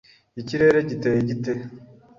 Ikirere giteye gite?